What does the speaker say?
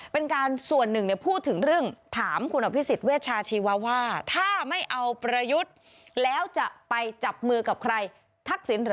เป็นการส่วนหนึ่งพูดถึงเรื่องถามคุณอภิษฎเวชาชีวว่าถ้าไม่เอาประยุทธ์แล้วจะไปจับมือกับใครทักษิณเหรอ